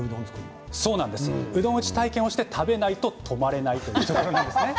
うどん打ち体験をして食べないと泊まれないんですね。